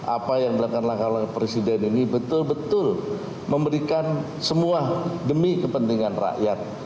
apa yang dilakukan langkah langkah presiden ini betul betul memberikan semua demi kepentingan rakyat